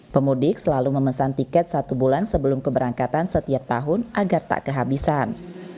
pemudik selalu memesan tiket satu bulan sebelum keberangkatan setiap tahun agar tak kehabisan